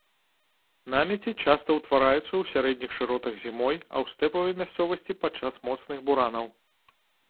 Намеці часта ўтвараюцца ў сярэдніх шыротах зімой, а ў стэпавай мясцовасці падчас моцных буранаў.